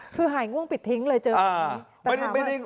คือหายง่วงปิดทิ้งเลยเจอผี